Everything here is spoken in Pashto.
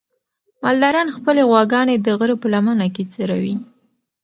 مالداران خپلې غواګانې د غره په لمنه کې څروي.